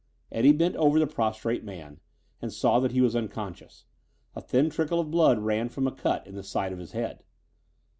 Eddie bent over the prostrate man and saw that he was unconscious. A thin trickle of blood ran from a cut in the side of his head.